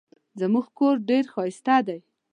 زموږ کور ډېر ښایسته دی.